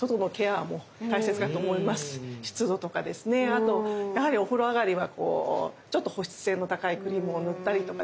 あとやはりお風呂上がりはちょっと保湿性の高いクリームを塗ったりとかですね